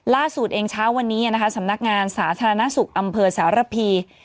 ล่าสุดเองเช้าวันนี้นะคะสำนักงานสาธารณสุขอำเภอสารพี